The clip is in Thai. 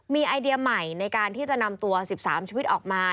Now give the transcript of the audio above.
มีไอเดียใหม่ในการที่จะนำตัว๑๓ชีวิตออกมา